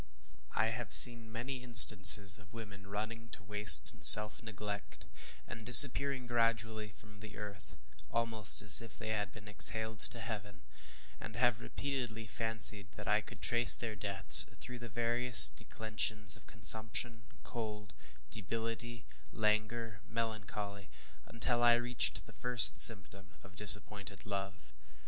I have seen many instances of women running to waste and self neglect, and disappearing gradually from the earth, almost as if they had been exhaled to heaven; and have repeatedly fancied that I could trace their deaths through the various declensions of consumption, cold, debility, languor, melancholy, until I reached the first symptom of disappointed love.